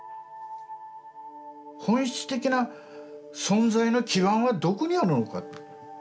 本質的な存在の基盤はどこにあるのか。